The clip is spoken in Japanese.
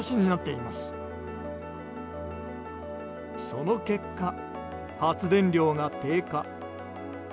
その結果、発電量が低下。